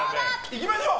いきましょう！